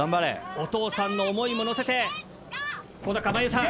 お父さんの想いものせて小高愛悠さん